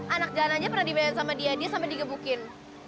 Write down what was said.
anak jalanan aja pernah dibayangin sama dia dia sampe digebukin